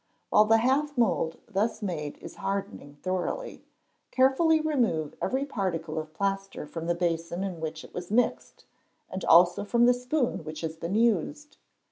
While the half mould thus made is hardening thoroughly, carefully remove every particle of plaster from the basin in which it was mixed, and also from the spoon which has been used.